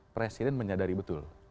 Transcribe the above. presiden menyadari betul